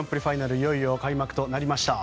いよいよ開幕となりました。